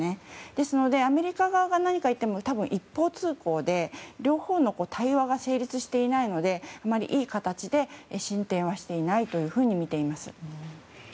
ですのでアメリカ側が何かを言っても多分、一方通行で両方の対話が成立していないのであまりいい形で進展はしていないとみています。